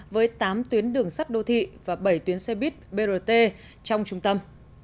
với tám tuyến đường sắt đô thị và bảy tuyến xe buýt brt trong trung tâm